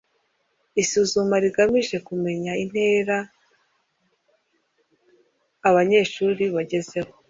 – Isuzuma rigamije kumenya intera abanyeshuri bagezeho